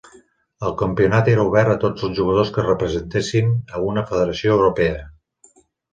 El campionat era obert a tots els jugadors que representessin a una federació europea.